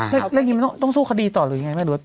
แล้วอย่างงี้มันต้องสู้คดีต่อหรือยังไง